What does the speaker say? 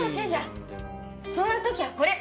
そんな時はこれ！